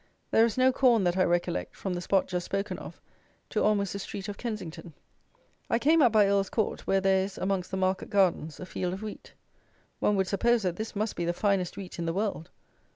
There is no corn, that I recollect, from the spot just spoken of, to almost the street of Kensington. I came up by Earl's Court, where there is, amongst the market gardens, a field of wheat. One would suppose that this must be the finest wheat in the world.